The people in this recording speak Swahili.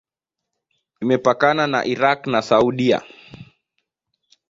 Imepakana na Irak na Saudia.